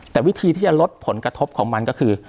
แต่วิธีที่จะลดผลกระทบของมันก็คือ